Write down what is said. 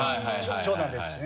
長男ですしね。